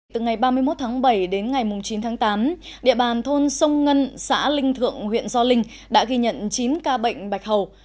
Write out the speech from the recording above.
từ ngày ba mươi một tháng bảy đến ngày chín tháng tám địa bàn thôn sông ngân xã linh thượng huyện gio linh đã ghi nhận chín ca bệnh bạch hầu